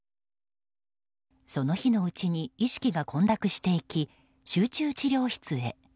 その日のうちに意識が混濁していき集中治療室へ。